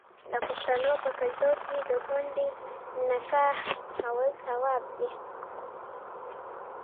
د پښتنو په کلتور کې د کونډې نکاح کول ثواب دی.